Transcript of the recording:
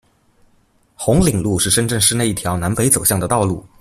红岭路是深圳市内一条南北走向的道路。